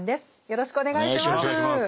よろしくお願いします。